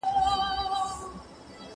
¬ چي نه ځني خلاصېږې، په بړ بړ پر ورځه.